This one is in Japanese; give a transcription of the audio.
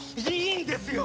いいんですよ！